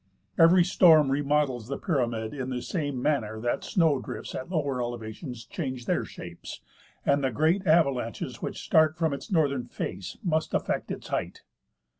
Every storm remodels the pyra mid in the same manner that snow drifts at lower elevations change their shapes, and the great avalanches which start from its northern face must affect its height.